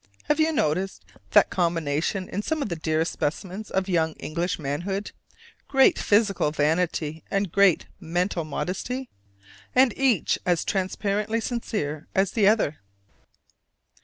Have you noticed that combination in some of the dearest specimens of young English manhood, great physical vanity and great mental modesty? and each as transparently sincere as the other.